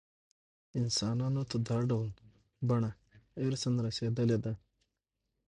انسانانو ته دا ډول بڼه ارثاً رسېدلې ده.